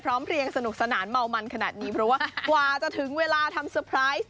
เรียงสนุกสนานเมามันขนาดนี้เพราะว่ากว่าจะถึงเวลาทำเซอร์ไพรส์